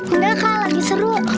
udah kak lagi seru